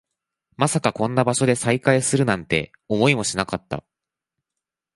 まさかこんな場所で再会するなんて、思いもしなかった